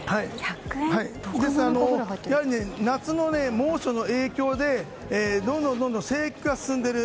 夏の猛暑の影響でどんどん生育が進んでいる。